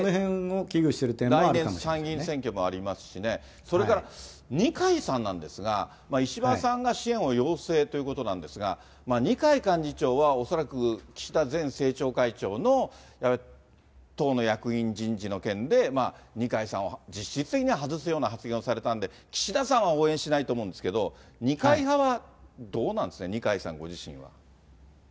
来年、参議院選挙もありますしね、それから二階さんなんですが、石破さんが支援を要請ということなんですが、二階幹事長は恐らく岸田前政調会長の党の役員人事の件で、二階さんを実質的には外すような発言をされたんで、岸田さんは応援しないと思うんですけれども、二階派はどうなんですかね、二階さんご自身は。